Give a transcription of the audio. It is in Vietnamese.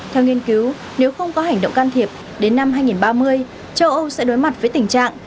theo nghiên cứu nếu không có hành động can thiệp đến năm hai nghìn ba mươi châu âu sẽ đối mặt với tình trạng